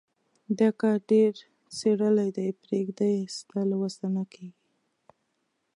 دا کار ډېر څيرلی دی. پرېږده يې؛ ستا له وسه نه کېږي.